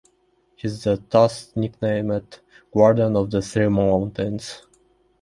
He is thus nicknamed "Guardian of Three Mountains".